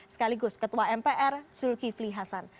sekaligus ketua mpr zulkifli hasan